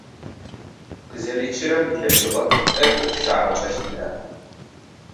Къызэричъырэм илъэшыгъэ тӀэкӀу къыщагъэкӀэщт ныӀэп.